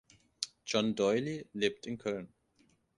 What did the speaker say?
John Doyle lebt in Köln.